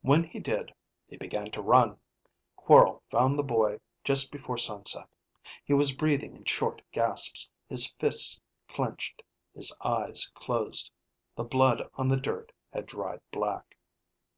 When he did, he began to run. Quorl found the boy; just before sunset. He was breathing in short gasps, his fists clenched, his eyes closed. The blood on the dirt had dried black.